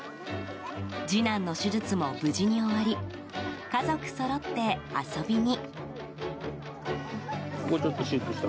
次男の手術も無事に終わり家族そろって遊びに。